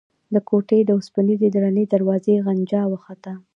د کوټې د اوسپنيزې درنې دروازې غنجا وخته.